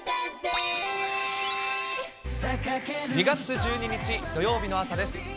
２月１２日土曜日の朝です。